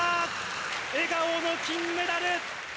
笑顔の金メダル。